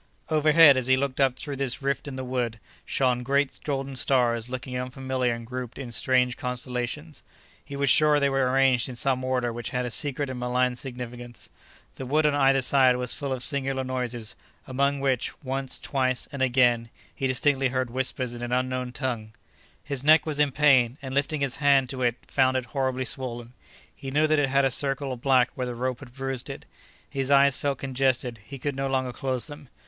Overhead, as he looked up through this rift in the wood, shone great golden stars looking unfamiliar and grouped in strange constellations. He was sure they were arranged in some order which had a secret and malign significance. The wood on either side was full of singular noises, among which—once, twice, and again—he distinctly heard whispers in an unknown tongue. His neck was in pain and lifting his hand to it found it horribly swollen. He knew that it had a circle of black where the rope had bruised it. His eyes felt congested; he could no longer close them.